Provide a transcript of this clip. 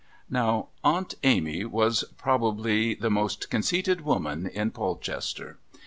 Now Aunt Amy was probably the most conceited woman in Polchester.